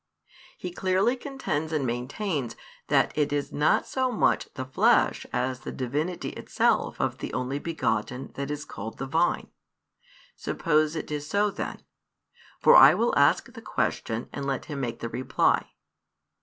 He clearly contends and maintains that it is not so much the flesh as the Divinity Itself of the Only begotten that is called the Vine. Suppose it is so then. For I will ask the question, and let him make the reply.